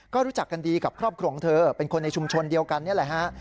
ก็รู้จักกันดีกับครอบครัวของเธอเป็นคนในชุมชนเดียวกันนี่แหละฮะ